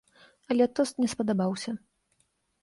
Але тост мне спадабаўся.